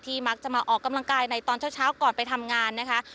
มักจะมาออกกำลังกายในตอนเช้าก่อนไปทำงานนะคะ